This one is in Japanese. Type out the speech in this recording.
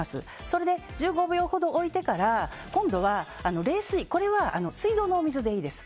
それで、１５秒ほど置いてから今度は冷水これは水道のお水でいいです。